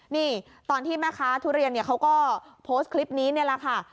นี่ตอนที่แม่ค้าทุเรียนเนี่ยเขาก็โพสต์คลิปนี้นี่แหละค่ะ